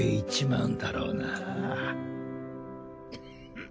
うん？